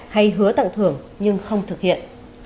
hay hứa tặng thưởng nhưng không thực hiện